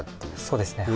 そうですね。